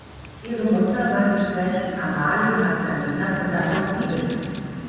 Ihre Mutter war die Gräfin Amalie Magdalena von Nassau-Siegen.